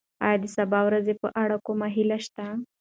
ایا د سبا ورځې په اړه کومه هیله شته؟